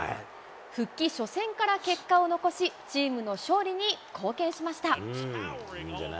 復帰初戦から結果を残し、チームの勝利に貢献しました。